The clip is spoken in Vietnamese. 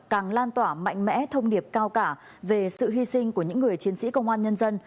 càng lan tỏa mạnh mẽ thông điệp cao cả về sự hy sinh của những người chiến sĩ công an nhân dân